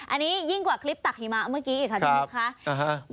อันนี้ยิ่งกว่าคลิปตักหิมะเมื่อกี้อีกค่ะคุณบุ๊คค่ะ